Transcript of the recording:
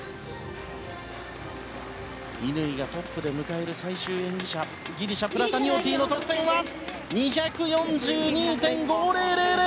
乾がトップで迎える最終演技者ギリシャプラタニオティの得点は２４２．５０００。